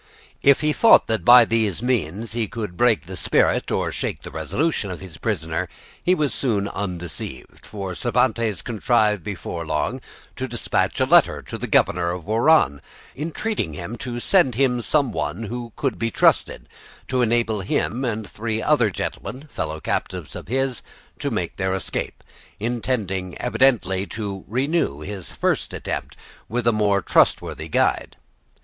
If he thought that by these means he could break the spirit or shake the resolution of his prisoner, he was soon undeceived, for Cervantes contrived before long to despatch a letter to the Governor of Oran, entreating him to send him some one that could be trusted, to enable him and three other gentlemen, fellow captives of his, to make their escape; intending evidently to renew his first attempt with a more trustworthy guide.